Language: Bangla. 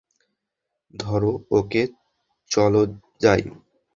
ধরো ওকে, চলো যাই!